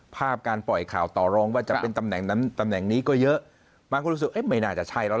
ภาพการปล่อยข่าวต่อร้องว่าจะเป็นตำแหน่งนี้ก็เยอะ